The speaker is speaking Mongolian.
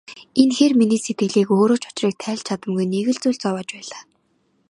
Энэ хэр миний сэтгэлийг өөрөө ч учрыг тайлж чадамгүй нэг л зүйл зовоож байлаа.